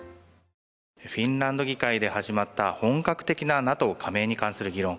フィンランド議会で始まった本格的なＮＡＴＯ加盟に関する議論。